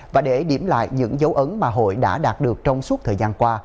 và để điểm lại những dấu ấn mà hội đã đạt được trong suốt thời gian qua